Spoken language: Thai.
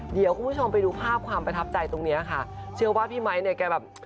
เดี๋ยวคุณผู้ชมไปดูภาพความประทับใจตรงเนี้ยค่ะเชื่อว่าพี่ไมค์เนี่ยแกแบบ